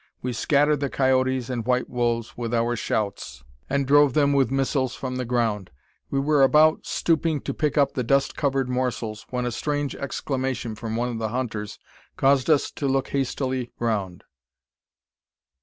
We scattered the coyotes and white wolves with our shouts, and drove them with missiles from the ground. We were about stooping to pick up the dust covered morsels, when a strange exclamation from one of the hunters caused us to look hastily round.